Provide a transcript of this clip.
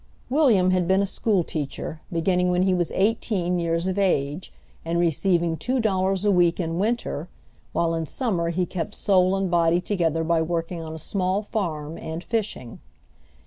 William had been a school teacher, beginning when he was eighteen years of age, and receiving two dollars a week in winter, while in summer he kept soul and body together by working on a small farm, and fishing.